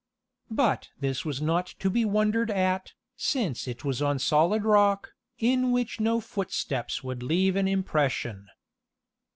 But this was not to be wondered at, since it was on solid rock, in which no footsteps would leave an impression.